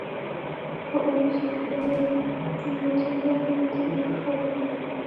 زه اوس خپلو تېرو تجربو ته ښه ځیر یم